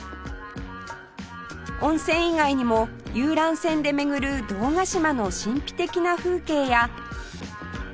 温泉以外にも遊覧船で巡る堂ヶ島の神秘的な風景や